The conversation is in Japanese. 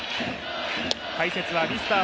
解説はミスター